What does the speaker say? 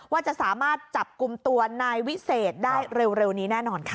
ว่าจะสามารถจับกลุ่มตัวนายวิเศษได้เร็วนี้แน่นอนค่ะ